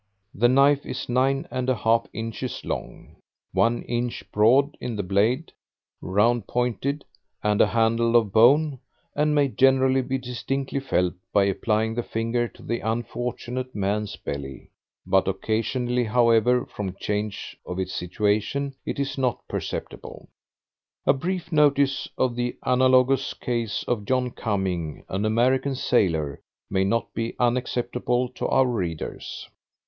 The knife is 9 1/2 inches long, 1 inch broad in the blade, round pointed, and a handle of bone, and may generally be distinctly felt by applying the finger to the unfortunate man's belly; but occasionally, however, from change of its situation it is not perceptible. A brief notice of the analogous case of John Cumming, an American sailor, may not be unacceptable to our readers.